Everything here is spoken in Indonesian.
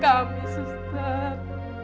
kasih hati kami suster